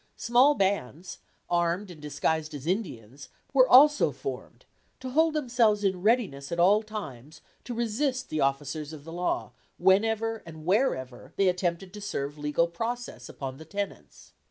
Small bands, armed and disguised as Indians, were also formed to hold themselves in readiness at all times to resist the officers of the law whenever and wherever they attempted to serve legal process upon the tenants.